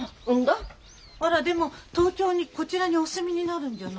あらでも東京にこちらにお住みになるんじゃ？